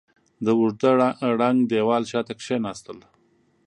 د اوږده ړنګ دېوال شاته کېناستل.